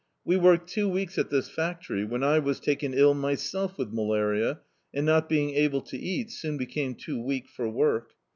We worked two weeks at this factory, when I was taken ill my self with malaria, and not being able to eat, soon became too weak for work.